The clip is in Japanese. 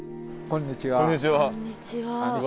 こんにちは。